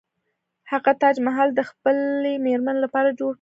هغه تاج محل د خپلې میرمنې لپاره جوړ کړ.